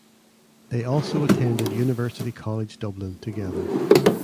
They also attended University College Dublin together.